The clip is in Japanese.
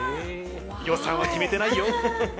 予算は決めてないよ。